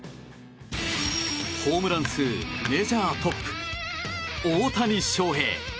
ホームラン数メジャートップ大谷翔平。